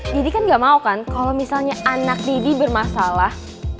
didi kan gak mau kan kalau misalnya anak didik bermasalah